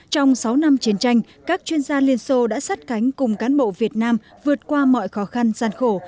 trong sáu năm chiến tranh các chuyên gia liên xô đã sát cánh cùng cán bộ việt nam vượt qua mọi khó khăn gian khổ